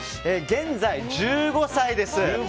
現在、１５歳です。